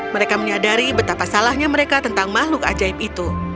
mereka menyadari betapa salahnya mereka tentang makhluk ajaib itu